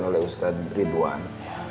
oleh ustaz ridwan